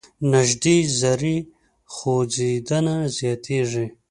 نژدې ذرې خوځیدنه زیاتیږي.